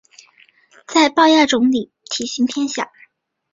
在豹亚种里体型偏小。